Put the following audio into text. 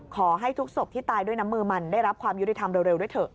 ขอให้ทุกศพที่ตายด้วยน้ำมือมันได้รับความยุติธรรมเร็วด้วยเถอะ